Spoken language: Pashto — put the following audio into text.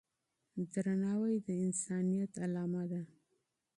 احترام د انسانيت نښه ده.